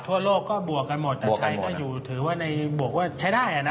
ทั่วโลกก็บวกกันหมดแต่ใครก็อยู่ถือว่าในบวกว่าใช้ได้อ่ะนะ